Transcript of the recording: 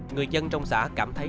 người dân trong xã cảm thấy